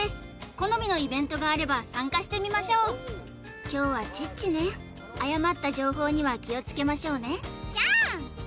好みのイベントがあれば参加してみましょう凶はチッチね誤った情報には気をつけましょうねちゃん！